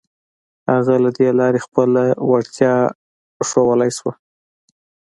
هغه له دې لارې خپله وړتيا ښوولای شوه.